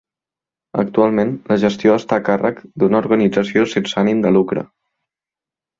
Actualment, la gestió està a càrrec d'una organització sense ànim de lucre.